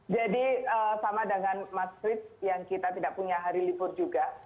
jadi sama dengan mbak frits yang kita tidak punya hari lipur juga